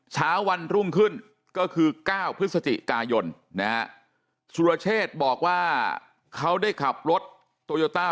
เช้าวันรุ่งขึ้นก็คือ๙พฤศจิกายน